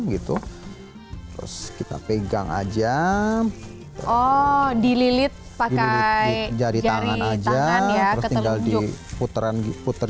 gitu terus kita pegang aja oh dililit pakai jari jari tangan aja ya ketika di puteran puter